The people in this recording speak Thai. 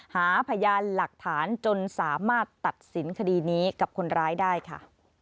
หาพยานหลักฐานจนสามารถตัดสินคดีนี้กับคนร้ายได้ค่ะ